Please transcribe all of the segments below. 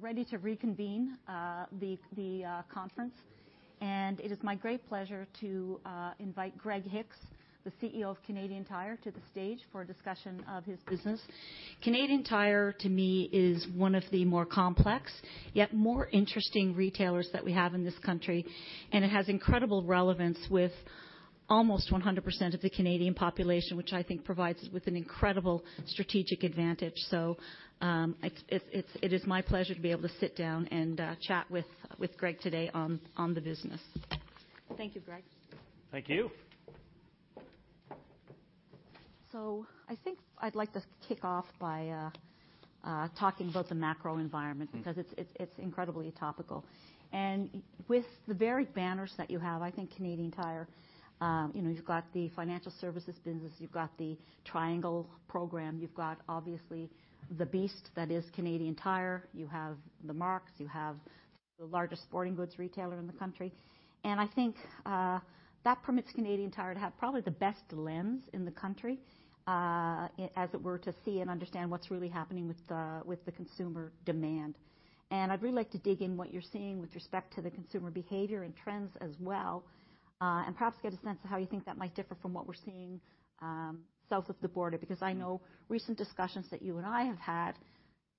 We're ready to reconvene the conference. It is my great pleasure to invite Greg Hicks, the CEO of Canadian Tire, to the stage for a discussion of his business. Canadian Tire, to me, is one of the more complex, yet more interesting retailers that we have in this country, and it has incredible relevance with almost 100% of the Canadian population, which I think provides with an incredible strategic advantage. It is my pleasure to be able to sit down and chat with Greg today on the business. Thank you, Greg. Thank you. I think I'd like to kick off by talking about the macro environment. Mm-hmm. Because it's incredibly topical. With the varied banners that you have, I think Canadian Tire, you know, you've got the Financial Services business, you've got Triangle Rewards, you've got, obviously, the beast that is Canadian Tire. You have Mark's, you have Sport Chek. I think that permits Canadian Tire to have probably the best lens in the country, as it were, to see and understand what's really happening with the consumer demand. I'd really like to dig into what you're seeing with respect to the consumer behavior and trends as well, and perhaps get a sense of how you think that might differ from what we're seeing south of the border. Because I know recent discussions that you and I have had,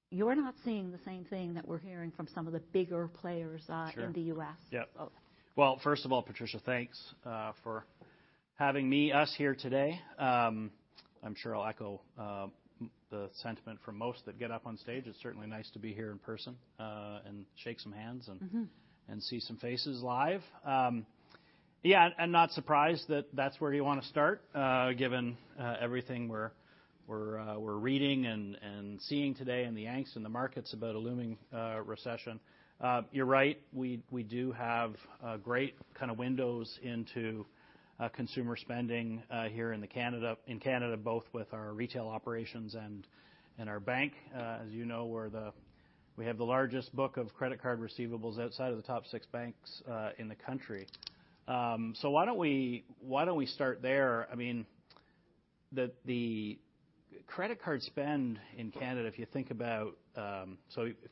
you're not seeing the same thing that we're hearing from some of the bigger players. Sure. In the U.S. Yeah. Well, first of all, Patricia, thanks for having me, us here today. I'm sure I'll echo the sentiment from most that get up on stage. It's certainly nice to be here in person and shake some hands. Mm-hmm. See some faces live. Yeah, I'm not surprised that that's where you wanna start, given everything we're reading and seeing today in the banks and the markets about a looming recession. You're right. We do have great kind of windows into consumer spending here in Canada, both with our retail operations and our bank. As you know, we have the largest book of credit card receivables outside of the top six banks in the country. So why don't we start there? I mean, the credit card spend in Canada, if you think about I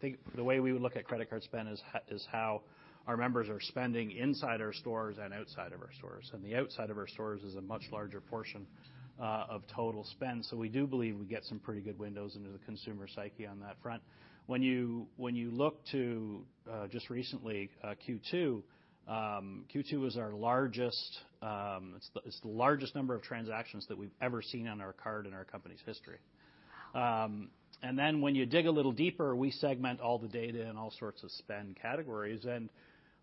think the way we would look at credit card spend is how our members are spending inside our stores and outside of our stores, and the outside of our stores is a much larger portion of total spend. We do believe we get some pretty good windows into the consumer psyche on that front. When you look to just recently Q2 is our largest, it's the largest number of transactions that we've ever seen on our card in our company's history. Then when you dig a little deeper, we segment all the data in all sorts of spend categories.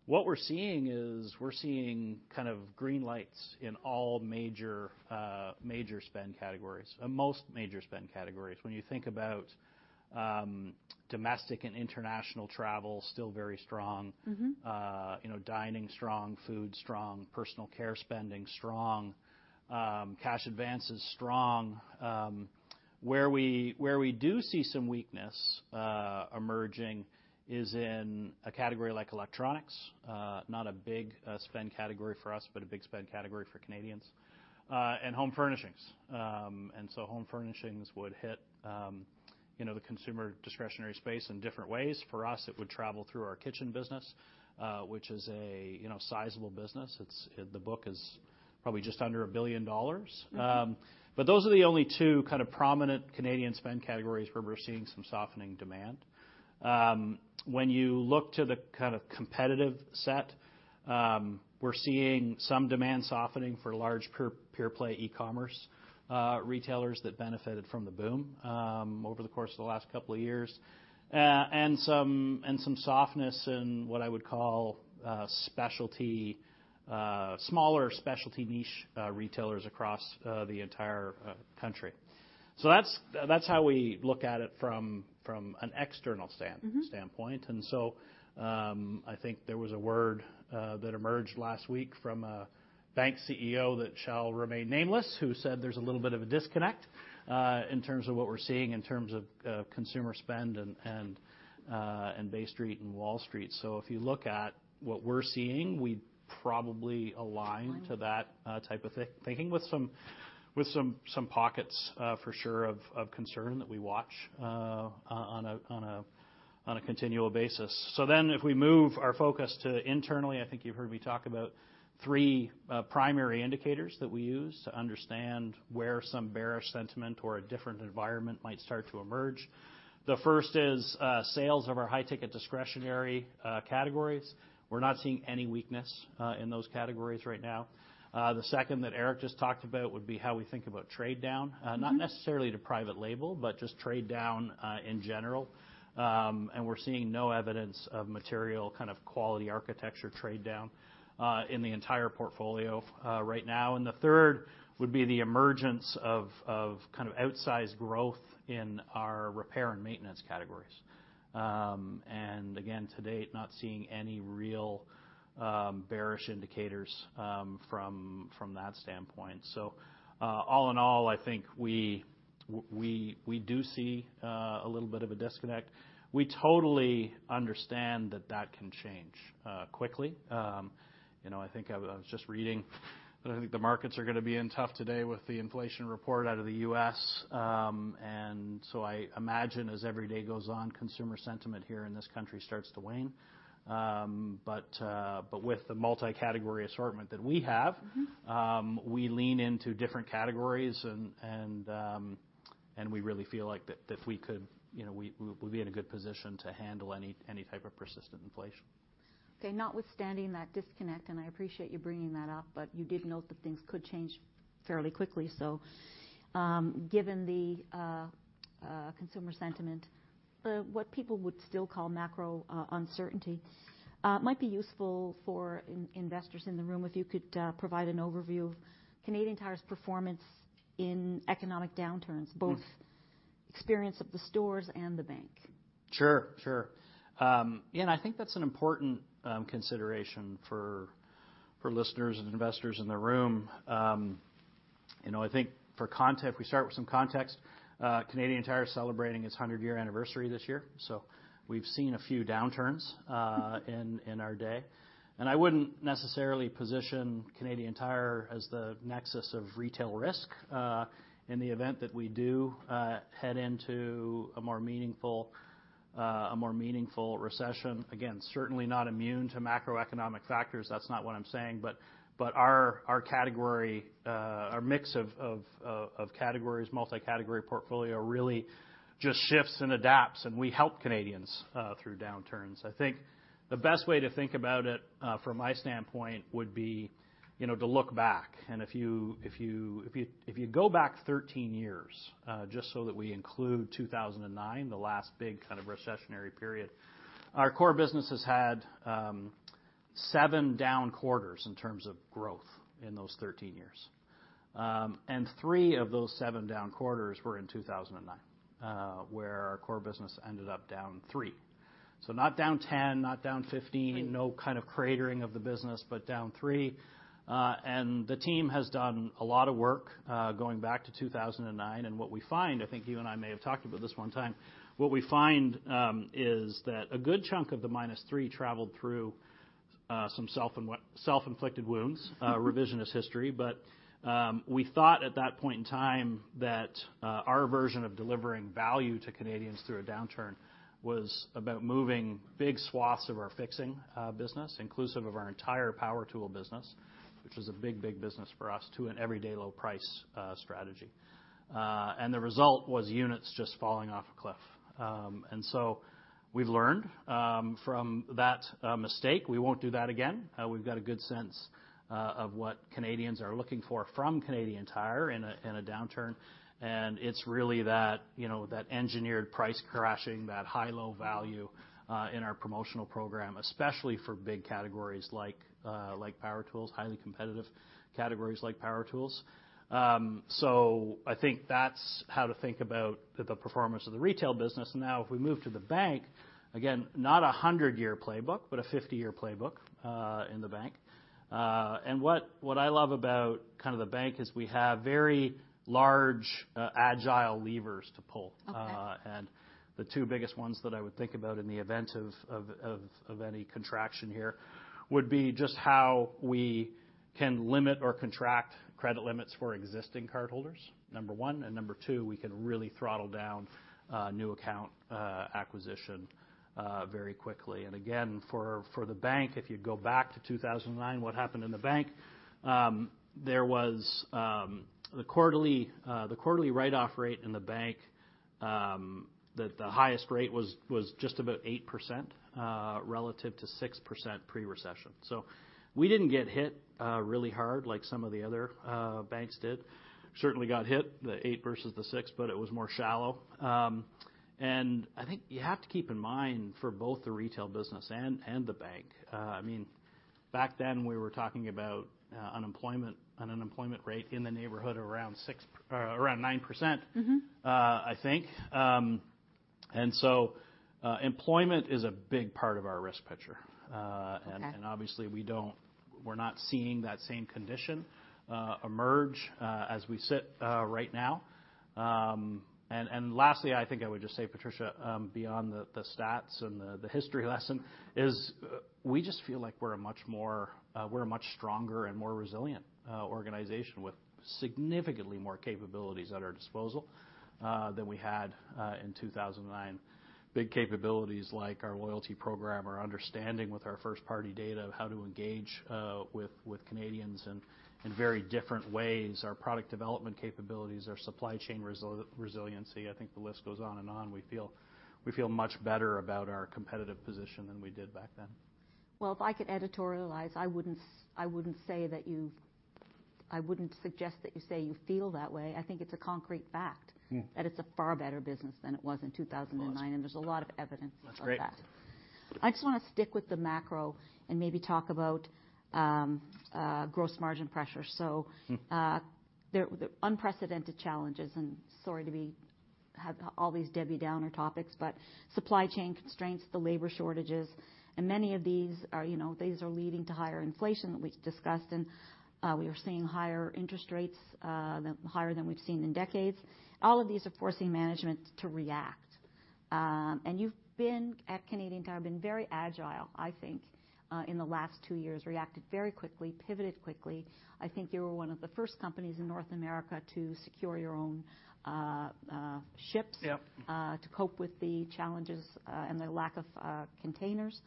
What we're seeing is we're seeing kind of green lights in all major spend categories, most major spend categories. When you think about domestic and international travel, still very strong. Mm-hmm. You know, dining strong, food strong, personal care spending strong, cash advances strong. Where we do see some weakness emerging is in a category like electronics, not a big spend category for us, but a big spend category for Canadians, and home furnishings. Home furnishings would hit, you know, the consumer discretionary space in different ways. For us, it would travel through our kitchen business, which is, you know, a sizable business. The book is probably just under 1 billion dollars. Mm-hmm. Those are the only two kind of prominent Canadian spend categories where we're seeing some softening demand. When you look to the kind of competitive set, we're seeing some demand softening for large pure-play e-commerce retailers that benefited from the boom over the course of the last couple of years. And some softness in what I would call specialty smaller specialty niche retailers across the entire country. That's how we look at it from an external stand- Mm-hmm. standpoint. I think there was a word that emerged last week from a bank CEO that shall remain nameless, who said there's a little bit of a disconnect in terms of what we're seeing in terms of consumer spend and Bay Street and Wall Street. If you look at what we're seeing, we probably align Align. To that type of thinking with some pockets, for sure, of concern that we watch on a continual basis. If we move our focus to internally, I think you've heard me talk about three primary indicators that we use to understand where some bearish sentiment or a different environment might start to emerge. The first is sales of our high-ticket discretionary categories. We're not seeing any weakness in those categories right now. The second that Eric just talked about would be how we think about trade down. Mm-hmm. Not necessarily to private label, but just trade down in general. We're seeing no evidence of material kind of quality architecture trade down in the entire portfolio right now. The third would be the emergence of kind of outsized growth in our repair and maintenance categories. Again, to date, not seeing any real bearish indicators from that standpoint. All in all, I think we do see a little bit of a disconnect. We totally understand that can change quickly. You know, I think I was just reading, but I think the markets are gonna be in tough today with the inflation report out of the US, and so I imagine as every day goes on, consumer sentiment here in this country starts to wane. With the multi-category assortment that we have. Mm-hmm. We lean into different categories and we really feel like that we could, you know, we'll be in a good position to handle any type of persistent inflation. Okay. Notwithstanding that disconnect, and I appreciate you bringing that up, but you did note that things could change fairly quickly. Given the consumer sentiment, the what people would still call macro uncertainty, it might be useful for investors in the room if you could provide an overview of Canadian Tire's performance in economic downturns. Mm. Both experience of the stores and the bank. Sure. Yeah, I think that's an important consideration for listeners and investors in the room. You know, I think for context, if we start with some context, Canadian Tire is celebrating its 100-year anniversary this year, so we've seen a few downturns in our day. I wouldn't necessarily position Canadian Tire as the nexus of retail risk in the event that we do head into a more meaningful recession. Again, certainly not immune to macroeconomic factors. That's not what I'm saying. Our category, our mix of categories, multi-category portfolio, really just shifts and adapts, and we help Canadians through downturns. I think the best way to think about it from my standpoint would be, you know, to look back. If you go back 13 years, just so that we include 2009, the last big kind of recessionary period, our core business has had 7 down quarters in terms of growth in those 13 years. Three of those 7 down quarters were in 2009, where our core business ended up down 3%. Not down 10%, not down 15%. Mm. No kind of cratering of the business, but down 3%. The team has done a lot of work going back to 2009. What we find, I think you and I may have talked about this one time, what we find is that a good chunk of the minus 3% traveled through some self-inflicted wounds—revisionist history. We thought at that point in time that our version of delivering value to Canadians through a downturn was about moving big swaths of our fixing business, inclusive of our entire power tool business, which was a big, big business for us, to an everyday low price strategy. The result was units just falling off a cliff. We've learned from that mistake. We won't do that again. We've got a good sense of what Canadians are looking for from Canadian Tire in a downturn. It's really that, you know, that engineered price crashing, that high low value in our promotional program, especially for big categories like power tools, highly competitive categories like power tools. I think that's how to think about the performance of the retail business. Now, if we move to the bank, again, not a 100-year playbook, but a 50-year playbook in the bank. What I love about kind of the bank is we have very large agile levers to pull. Okay. The two biggest ones that I would think about in the event of any contraction here would be just how we can limit or contract credit limits for existing cardholders, number one. Number two, we can really throttle down new account acquisition very quickly. Again, for the bank, if you go back to 2009, what happened in the bank, there was the quarterly write-off rate in the bank, the highest rate was just about 8% relative to 6% pre-recession. We didn't get hit really hard like some of the other banks did. Certainly got hit, the 8 versus the 6, but it was more shallow. I think you have to keep in mind for both the retail business and the bank, I mean, back then we were talking about unemployment, an unemployment rate in the neighborhood around 9%. Mm-hmm. I think. Employment is a big part of our risk picture. Okay. Obviously we're not seeing that same condition emerge as we sit right now. Lastly, I think I would just say, Patricia, beyond the stats and the history lesson is we just feel like we're a much stronger and more resilient organization with significantly more capabilities at our disposal than we had in 2009. Big capabilities like our loyalty program, our understanding with our first-party data of how to engage with Canadians in very different ways, our product development capabilities, our supply chain resiliency. I think the list goes on and on. We feel much better about our competitive position than we did back then. Well, if I could editorialize, I wouldn't suggest that you say you feel that way. I think it's a concrete fact. Hmm. that it's a far better business than it was in 2009. Of course. There's a lot of evidence of that. That's great. I just wanna stick with the macro and maybe talk about gross margin pressure. Mm. The unprecedented challenges, sorry to have all these Debbie Downer topics, but supply chain constraints, the labor shortages, and many of these are, you know, these are leading to higher inflation that we've discussed. We are seeing higher interest rates than we've seen in decades. All of these are forcing management to react. You've been at Canadian Tire very agile, I think, in the last two years. Reacted very quickly, pivoted quickly. I think you were one of the first companies in North America to secure your own ships. Yep. To cope with the challenges and the lack of containers.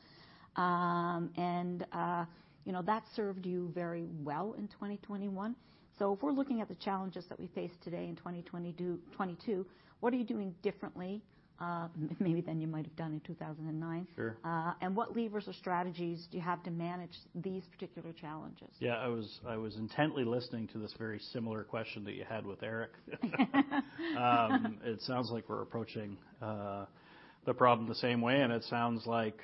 You know, that served you very well in 2021. If we're looking at the challenges that we face today in 2022, what are you doing differently, maybe than you might have done in 2009? Sure. What levers or strategies do you have to manage these particular challenges? Yeah. I was intently listening to this very similar question that you had with Eric. It sounds like we're approaching the problem the same way, and it sounds like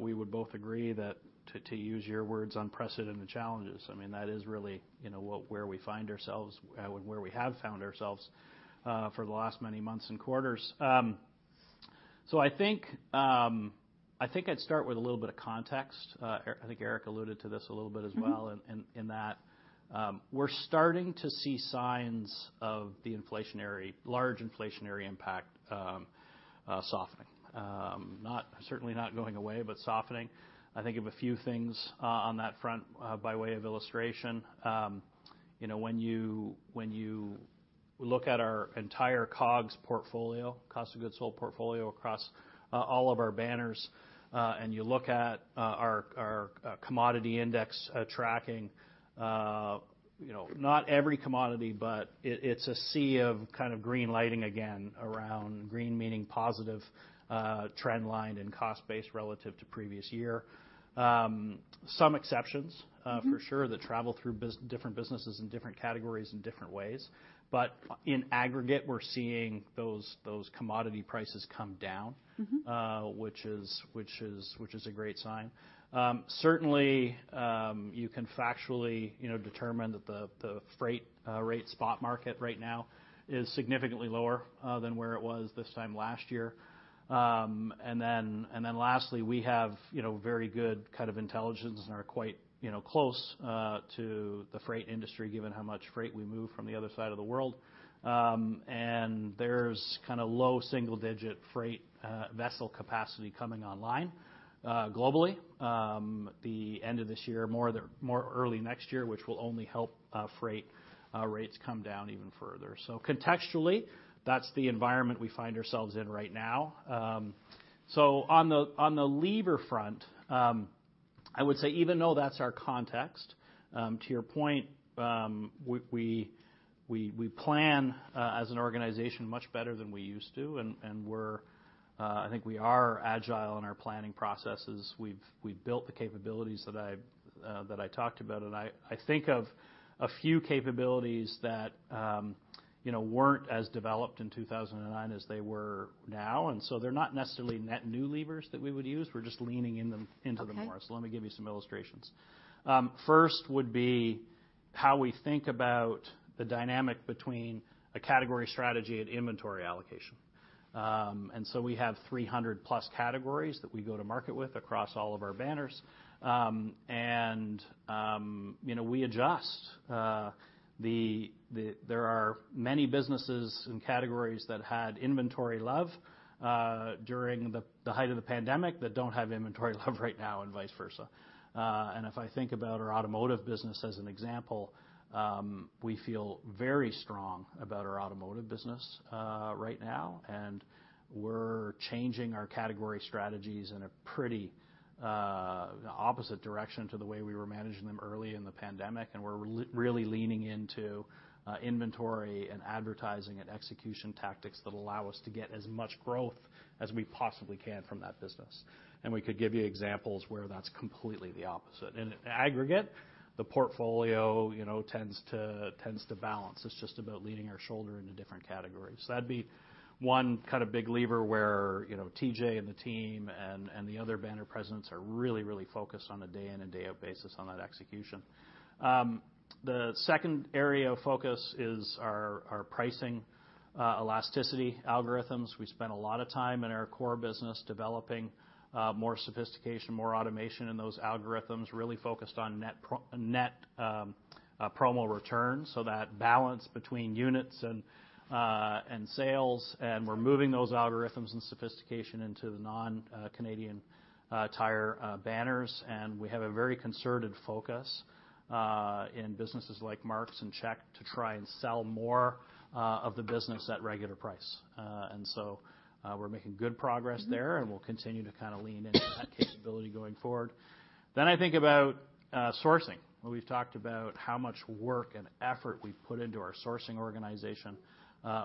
we would both agree that to use your words, unprecedented challenges. I mean, that is really, you know, where we find ourselves and where we have found ourselves for the last many months and quarters. I think I'd start with a little bit of context. I think Eric alluded to this a little bit as well. Mm-hmm. We're starting to see signs of the large inflationary impact softening. Certainly not going away, but softening. I think of a few things on that front by way of illustration. You know, when you look at our entire COGS portfolio, cost of goods sold portfolio across all of our banners, and you look at our commodity index tracking. You know, not every commodity, but it's a sea of kind of green lighting again around green meaning positive trend line and cost base relative to previous year. Some exceptions. Mm-hmm. For sure that travel through different businesses in different categories in different ways. In aggregate, we're seeing those commodity prices come down. Mm-hmm. Which is a great sign. Certainly, you can factually, you know, determine that the freight rate spot market right now is significantly lower than where it was this time last year. Lastly, we have, you know, very good kind of intelligence and are quite, you know, close to the freight industry, given how much freight we move from the other side of the world. There's kind of low single digit freight vessel capacity coming online globally the end of this year, more early next year, which will only help freight rates come down even further. Contextually, that's the environment we find ourselves in right now. On the lever front, I would say even though that's our context, to your point, we plan as an organization much better than we used to. I think we are agile in our planning processes. We've built the capabilities that I talked about, and I think of a few capabilities that you know weren't as developed in 2009 as they were now. They're not necessarily net new levers that we would use. We're just leaning in them. Okay. Let me give you some illustrations. First would be how we think about the dynamic between a category strategy and inventory allocation. We have 300+ categories that we go to market with across all of our banners. You know, we adjust. There are many businesses and categories that had inventory love during the height of the pandemic that don't have inventory love right now and vice versa. If I think about our automotive business as an example, we feel very strong about our automotive business right now, and we're changing our category strategies in a pretty opposite direction to the way we were managing them early in the pandemic. We're really leaning into inventory and advertising and execution tactics that allow us to get as much growth as we possibly can from that business. We could give you examples where that's completely the opposite. In aggregate, the portfolio, you know, tends to balance. It's just about leaning our shoulder into different categories. That'd be one kind of big lever where, you know, TJ and the team and the other banner presidents are really focused on a day in and day out basis on that execution. The second area of focus is our pricing elasticity algorithms. We spend a lot of time in our core business developing more sophistication, more automation in those algorithms, really focused on net promo return. That balance between units and sales, and we're moving those algorithms and sophistication into the non Canadian Tire banners. We have a very concerted focus in businesses like Mark's and Sport Chek to try and sell more of the business at regular price. We're making good progress there. Mm-hmm. We'll continue to kind of lean into that capability going forward. I think about sourcing, where we've talked about how much work and effort we've put into our sourcing organization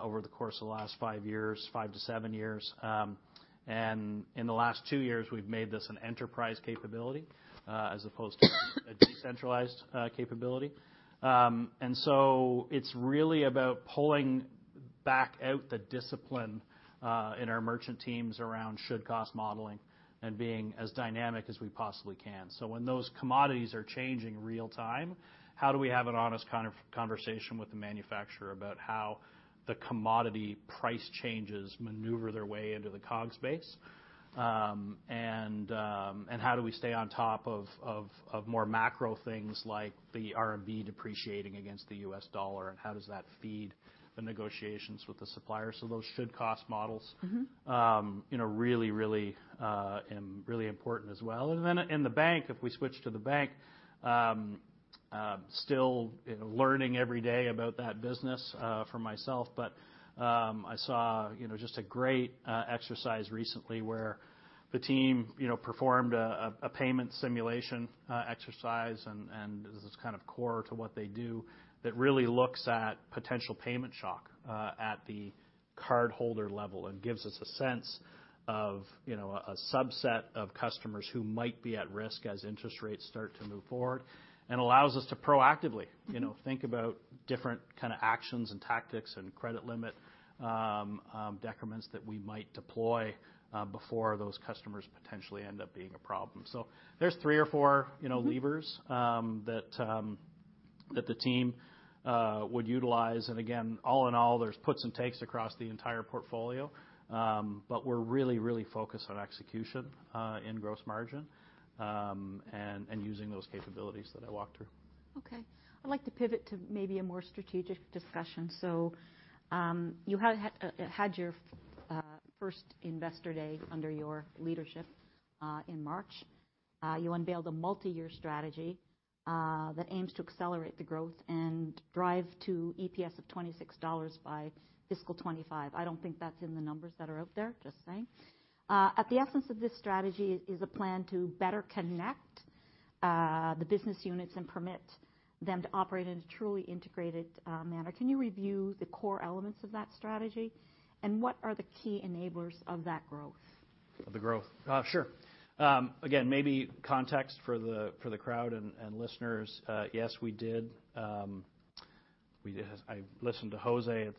over the course of the last 5 years, 5-7 years. In the last 2 years, we've made this an enterprise capability as opposed to a decentralized capability. It's really about pulling back out the discipline in our merchant teams around should-cost modeling and being as dynamic as we possibly can. When those commodities are changing real time, how do we have an honest conversation with the manufacturer about how the commodity price changes maneuver their way into the COGS base? How do we stay on top of more macro things like the RMB depreciating against the US dollar, and how does that feed the negotiations with the suppliers? Those should-cost models Mm-hmm. You know, really important as well. In the bank, if we switch to the bank, still, you know, learning every day about that business, for myself. I saw, you know, just a great exercise recently where the team, you know, performed a payment simulation exercise, and this is kind of core to what they do, that really looks at potential payment shock, at the cardholder level and gives us a sense of, you know, a subset of customers who might be at risk as interest rates start to move forward. Allows us to proactively, you know, think about different kind of actions and tactics and credit limit decrements that we might deploy, before those customers potentially end up being a problem. There's 3 or 4, you know, levers. Mm-hmm. That the team would utilize. Again, all in all, there's puts and takes across the entire portfolio. We're really focused on execution in gross margin, and using those capabilities that I walked through. Okay. I'd like to pivot to maybe a more strategic discussion. You had your first Investor Day under your leadership in March. You unveiled a multiyear strategy that aims to accelerate the growth and drive to EPS of 26 dollars by fiscal 2025. I don't think that's in the numbers that are out there, just saying. At the essence of this strategy is a plan to better connect the business units and permit them to operate in a truly integrated manner. Can you review the core elements of that strategy? What are the key enablers of that growth? Of the growth? Sure. Again, maybe context for the crowd and listeners. Yes, we did. I listened to Jose, it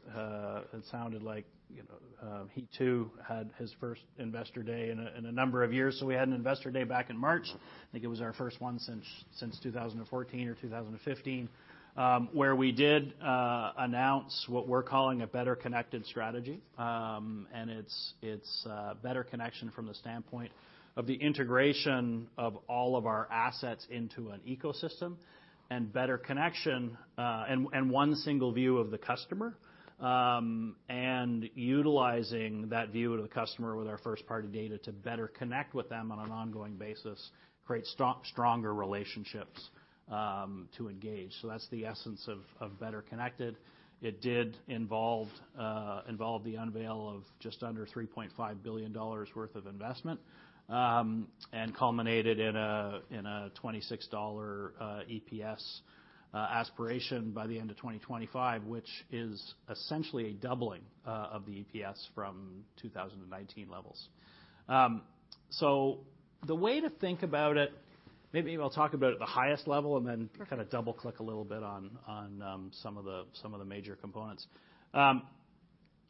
sounded like, you know, he too had his first Investor Day in a number of years. We had an Investor Day back in March. I think it was our first one since 2014 or 2015, where we did announce what we're calling a Better Connected strategy. It's better connection from the standpoint of the integration of all of our assets into an ecosystem and better connection and one single view of the customer. Utilizing that view of the customer with our first-party data to better connect with them on an ongoing basis, create stronger relationships to engage. That's the essence of Better Connected. It involved the unveiling of just under 3.5 billion dollars worth of investment, and culminated in a 26 dollar EPS aspiration by the end of 2025, which is essentially a doubling of the EPS from 2019 levels. The way to think about it, maybe I'll talk about it at the highest level, and then. Sure. Kind of double-click a little bit on some of the major components.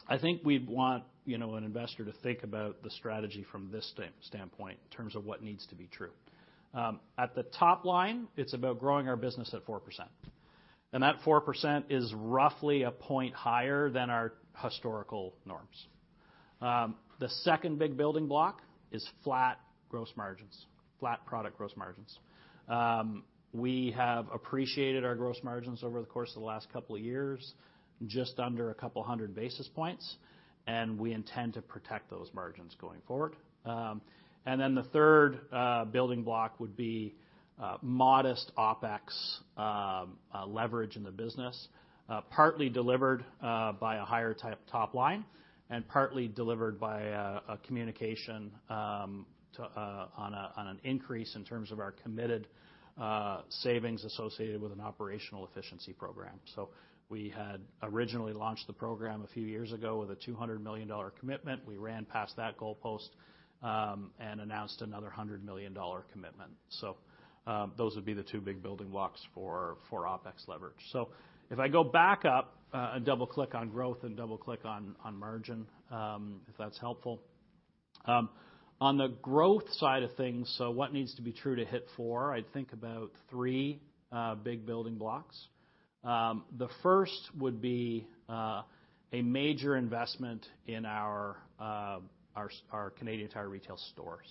I think we'd want, you know, an investor to think about the strategy from this standpoint in terms of what needs to be true. At the top line, it's about growing our business at 4%, and that 4% is roughly a point higher than our historical norms. The second big building block is flat gross margins, flat product gross margins. We have appreciated our gross margins over the course of the last couple of years, just under 200 basis points, and we intend to protect those margins going forward. The third building block would be modest OpEx leverage in the business, partly delivered by a higher top line and partly delivered by a communication on an increase in terms of our committed savings associated with an operational efficiency program. We had originally launched the program a few years ago with a 200 million dollar commitment. We ran past that goalpost and announced another 100 million dollar commitment. Those would be the two big building blocks for OpEx leverage. If I go back up and double-click on growth and double-click on margin, if that's helpful. On the growth side of things, what needs to be true to hit 4%? I think about 3 big building blocks. The first would be a major investment in our Canadian Tire Retail stores.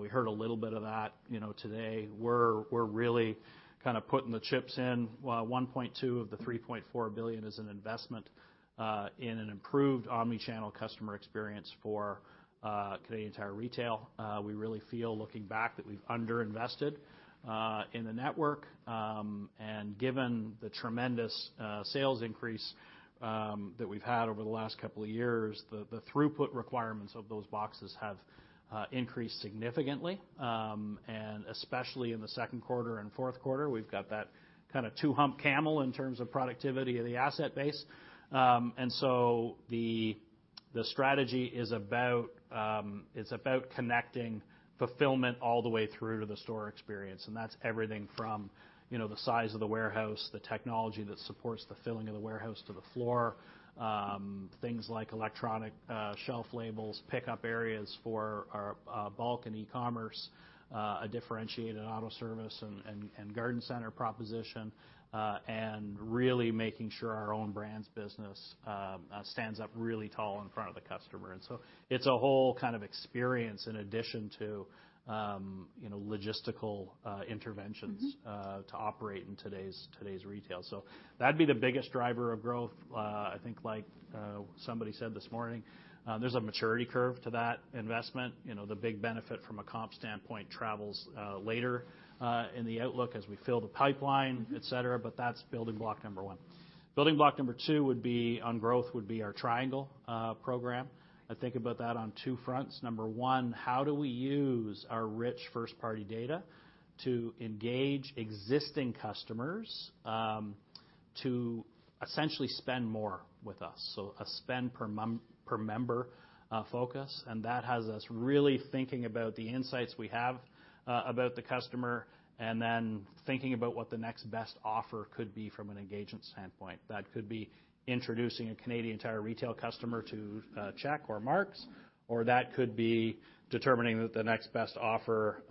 We heard a little bit of that, you know, today. We're really kind of putting the chips in, well, 1.2 billion of the 3.4 billion is an investment in an improved omni-channel customer experience for Canadian Tire Retail. We really feel looking back that we've underinvested in the network. Given the tremendous sales increase that we've had over the last couple of years, the throughput requirements of those boxes have increased significantly. Especially in the second quarter and fourth quarter, we've got that kind of two-hump camel in terms of productivity of the asset base. The strategy is about connecting fulfillment all the way through to the store experience, and that's everything from, you know, the size of the warehouse, the technology that supports the filling of the warehouse to the floor, things like electronic shelf labels, pickup areas for our bulk and e-commerce, a differentiated auto service and garden center proposition, and really making sure our own brands business stands up really tall in front of the customer. It's a whole kind of experience in addition to, you know, logistical interventions. Mm-hmm. To operate in today's retail. That'd be the biggest driver of growth. I think like, somebody said this morning, there's a maturity curve to that investment. You know, the big benefit from a comp standpoint travels later in the outlook as we fill the pipeline. Mm-hmm. Et cetera, but that's building block number one. Building block number two would be on growth, would be our Triangle program. I think about that on two fronts. Number one, how do we use our rich first-party data to engage existing customers, to essentially spend more with us? A spend per member focus, and that has us really thinking about the insights we have about the customer and then thinking about what the next best offer could be from an engagement standpoint. That could be introducing a Canadian Tire Retail customer to Sport Chek or Mark's, or that could be determining that the next best offer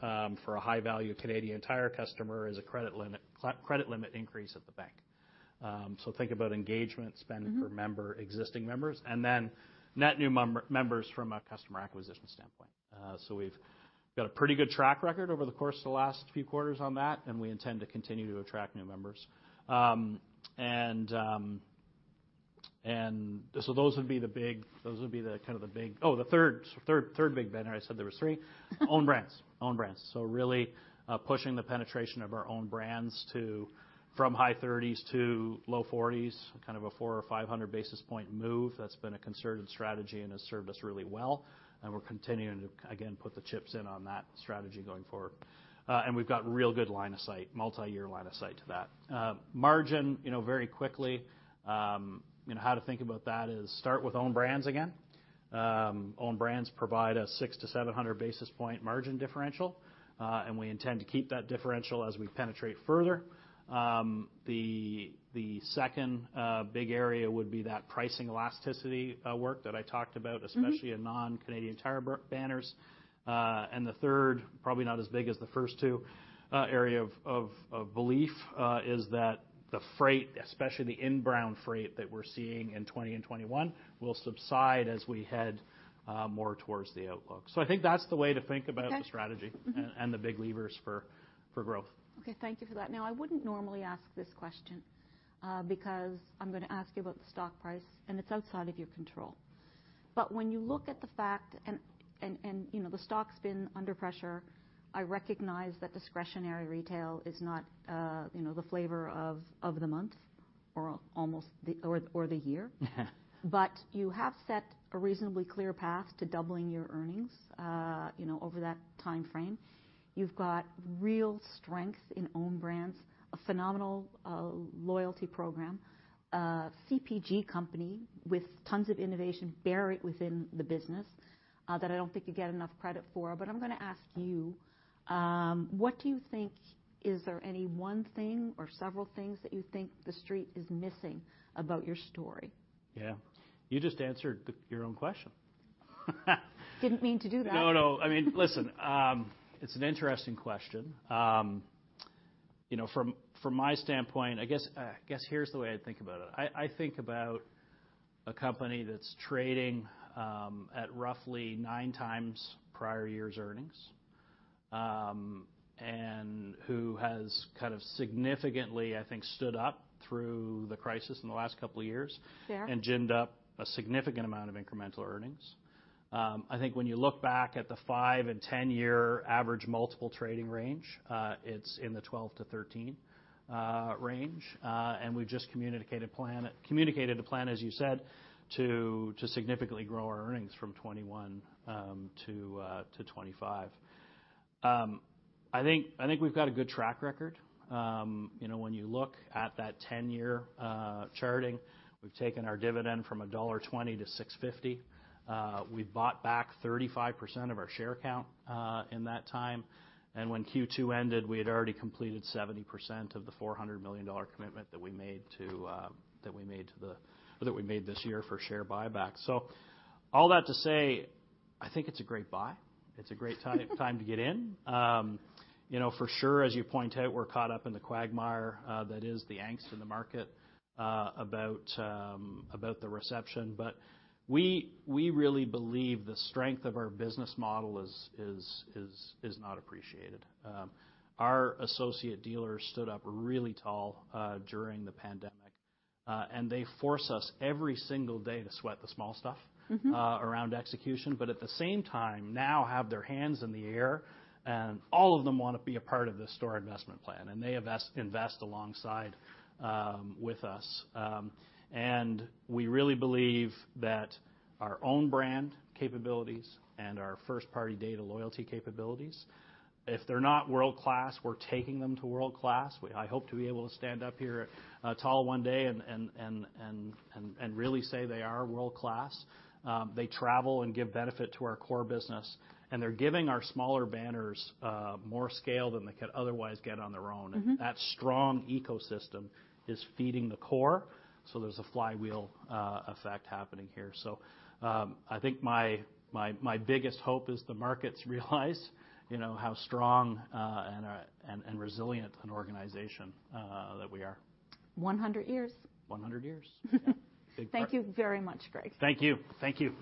for a high value Canadian Tire customer is a credit limit increase at the bank. Think about engagement spend per member, existing members, and then net new members from a customer acquisition standpoint. We've got a pretty good track record over the course of the last few quarters on that, and we intend to continue to attract new members. Those would be the kind of the big the third big banner. I said there was three. Own brands. Really, pushing the penetration of our own brands from high thirties to low forties, kind of a 400 or 500 basis point move that's been a concerted strategy and has served us really well. We're continuing to again put the chips in on that strategy going forward. We've got real good line of sight, multi-year line of sight to that. Margin, you know, very quickly, how to think about that is start with own brands again. Own brands provide a 600-700 basis points margin differential, and we intend to keep that differential as we penetrate further. The second big area would be that pricing elasticity work that I talked about. Mm-hmm. especially in non-Canadian Tire banners. The third, probably not as big as the first two, area of belief is that the freight, especially the inbound freight that we're seeing in 2020 and 2021, will subside as we head more towards the outlook. I think that's the way to think about the strategy the big levers for growth. Okay, thank you for that. Now, I wouldn't normally ask this question, because I'm gonna ask you about the stock price, and it's outside of your control. When you look at the fact, you know, the stock's been under pressure, I recognize that discretionary retail is not, you know, the flavor of the month or almost the year. You have set a reasonably clear path to doubling your earnings, you know, over that timeframe. You've got real strength in own brands, a phenomenal loyalty program, a CPG company with tons of innovation buried within the business, that I don't think you get enough credit for. I'm gonna ask you, what do you think, is there any one thing or several things that you think The Street is missing about your story? Yeah. You just answered your own question. Didn't mean to do that. No, no. I mean, listen, it's an interesting question. You know, from my standpoint, I guess here's the way I think about it. I think about a company that's trading at roughly 9 times prior year's earnings, and who has kind of significantly, I think, stood up through the crisis in the last couple of years. Fair. Ginned up a significant amount of incremental earnings. I think when you look back at the 5- and 10-year average multiple trading range, it's in the 12-13 range. We've just communicated a plan, as you said, to significantly grow our earnings from 2021 to 2025. I think we've got a good track record. You know, when you look at that 10-year charting, we've taken our dividend from dollar 1.20 to 6.50. We bought back 35% of our share count in that time. When Q2 ended, we had already completed 70% of the 400 million dollar commitment that we made this year for share buyback. All that to say, I think it's a great buy. It's a great time to get in. You know, for sure, as you point out, we're caught up in the quagmire that is the angst in the market about the recession. We really believe the strength of our business model is not appreciated. Our Associate Dealers stood up really tall during the pandemic, and they force us every single day to sweat the small stuff. Mm-hmm. Around execution, at the same time now have their hands in the air, and all of them wanna be a part of this store investment plan, and they invest alongside with us. We really believe that our own brand capabilities and our first-party data loyalty capabilities, if they're not world-class, we're taking them to world-class. I hope to be able to stand up here, tall one day and really say they are world-class. They travel and give benefit to our core business, and they're giving our smaller banners more scale than they could otherwise get on their own. Mm-hmm. That strong ecosystem is feeding the core, so there's a flywheel effect happening here. I think my biggest hope is the markets realize, you know, how strong and resilient an organization that we are. 100 years. 100 years. Yeah. Big part. Thank you very much, Greg. Thank you. Thank you.